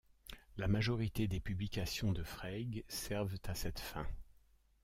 La majorité des publications de Freig servent à cette fin.